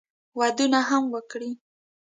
ودونه هم وکړي.